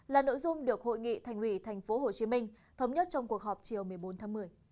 là nội dung được hội nghị thành ủy tp hcm thống nhất trong cuộc họp chiều một mươi bốn tháng một mươi